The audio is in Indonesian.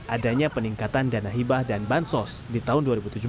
adanya peningkatan dana hibah dan bansos di tahun dua ribu tujuh belas